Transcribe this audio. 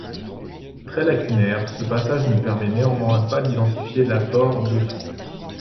Très lacunaire, ce passage ne permet néanmoins pas d'identifier l'apport d'Euphante.